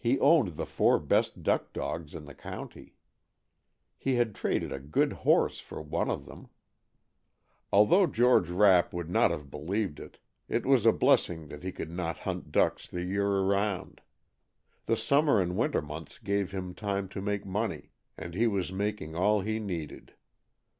He owned the four best duck dogs in the county. He had traded a good horse for one of them. Although George Rapp would not have believed it, it was a blessing that he could not hunt ducks the year around. The summer and winter months gave him time to make money, and he was making all he needed.